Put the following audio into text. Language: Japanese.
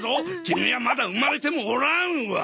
キミはまだ生まれてもおらんわ。